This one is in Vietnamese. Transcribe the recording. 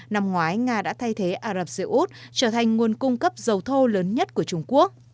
năm ngoái nga đã thay thế ả rập xê út trở thành nguồn cung cấp dầu thô lớn nhất của trung quốc